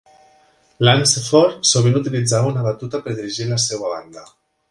Lunceford sovint utilitzava una batuta per dirigir la seva banda.